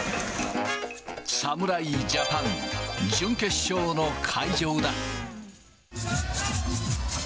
侍ジャパン、準決勝の会場だ。